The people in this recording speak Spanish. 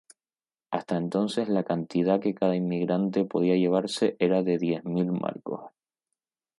Hasta entonces, la cantidad que cada inmigrante podía llevarse era de diez mil marcos.